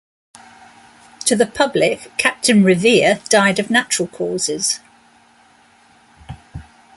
To the public, Captain Revere died of natural causes.